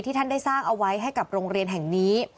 ท่านได้สร้างเอาไว้ให้กับโรงเรียนแห่งนี้